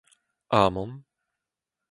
amann